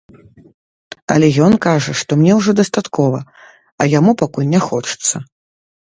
Але ён кажа, што мне ўжо дастаткова, а яму пакуль не хочацца.